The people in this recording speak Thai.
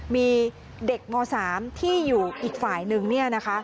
มีเด็กม๓ที่อยู่อีกฝ่ายนึง